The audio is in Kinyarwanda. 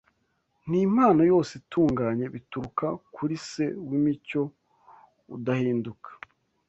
n’impano yose itunganye bituruka kuri Se w’imicyo udahinduka